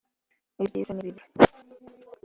ibyiza n’ibibi